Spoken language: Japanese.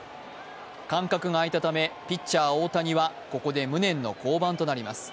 間隔が空いたためピッチャー・大谷はここで無念の交代となります。